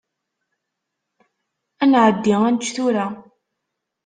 Ad nɛeddi ad nečč tura.